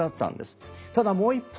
ただもう一方でね